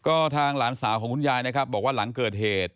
ก็ทางหลานสาวของคุณยายนะครับบอกว่าหลังเกิดเหตุ